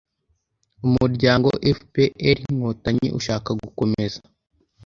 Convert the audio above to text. umuryango fpr-inkotanyi ushaka gukomeza